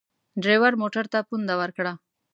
ډریور موټر ته پونده ورکړه.